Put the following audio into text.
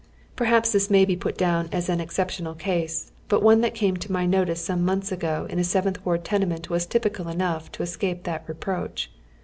Perhaps this may be put down as an exceptional case, but one that came to my notice some months ago in a Seventh Wai d tenement was typical enough to escape that reproach.